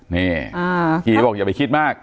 นี่ผีบอกอย่าไปคิดมาก